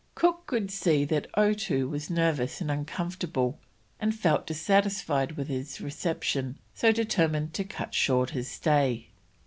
Cook could see that Otoo was nervous and uncomfortable, and felt dissatisfied with his reception, so determined to cut short his stay.